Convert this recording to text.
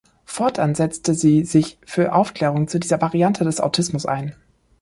Fortan setzte sie sich für Aufklärung zu dieser Variante des Autismus ein.